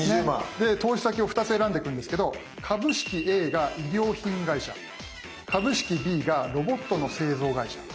で投資先を２つ選んでいくんですけど株式Ａが衣料品会社株式Ｂがロボットの製造会社。